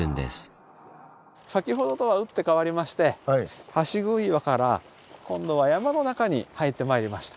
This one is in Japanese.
先ほどとは打って変わりまして橋杭岩から今度は山の中に入ってまいりました。